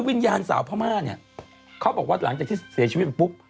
วิญญาณสาวพม่าเนี่ยเขาบอกว่าหลังจากที่เสียชีวิตปุ๊บ